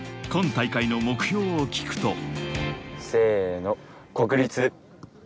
今大会の目標を聞くと。